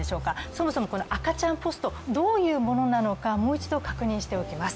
そもそも赤ちゃんポスト、どういうものなのか、もう一度確認しておきます。